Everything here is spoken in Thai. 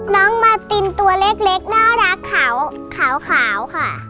น้องมาตินตัวเล็กน่ารักขาวค่ะ